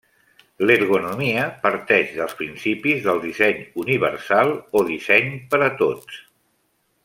L'ergonomia parteix dels principis del disseny universal o disseny per a tots.